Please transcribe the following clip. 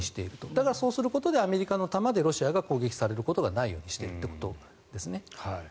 だから、そうすることでアメリカの弾でロシアが攻撃されることがないようにしているということですね。